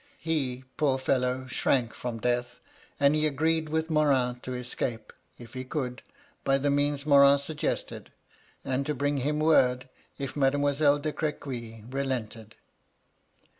He, poor fellow, shrank from death ; and he agreed with VOL. I. K 194 MY LADY LUDLOW. Morin to escape, if he could, by the means Morin suggested, and to bring him word if Mademoiselle de Crequy relented.